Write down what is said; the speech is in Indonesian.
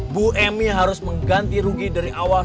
bu emy harus mengganti rugi dari awal